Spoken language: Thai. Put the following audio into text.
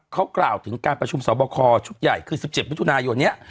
เขากล่าวถึงการประชุมสอบคอชุดใหญ่คือ๑๗มิถุนายนนี้